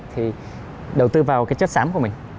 thì đầu tư vào cái chất sám của mình